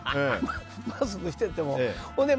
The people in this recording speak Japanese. マスクしててもね。